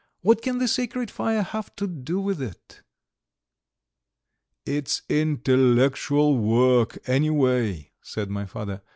What can the sacred fire have to do with it?" "It's intellectual work, anyway," said my father.